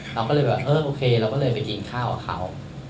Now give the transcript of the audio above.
เราก็เลยแบบเออโอเคเราก็เลยไปกินข้าวกับเขา